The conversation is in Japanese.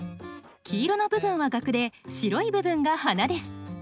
黄色の部分はガクで白い部分が花です